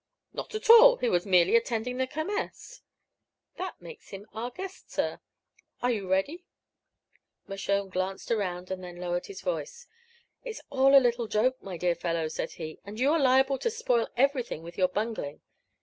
"Not at all. He was merely attending the Kermess." "That makes him our guest, sir. Are you ready?" Mershone glanced around and then lowered his voice. "It's all a little joke, my dear fellow," said he, "and you are liable to spoil everything with your bungling.